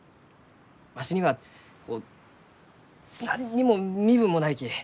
わしにはこう何にも身分もないき。